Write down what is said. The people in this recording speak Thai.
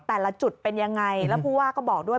แต่ละจุดเป็นยังไงแล้วผู้ว่าก็บอกด้วย